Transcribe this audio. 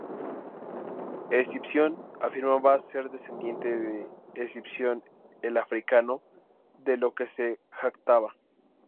Escipión afirmaba ser descendiente de Escipión el Africano, de lo que se jactaba.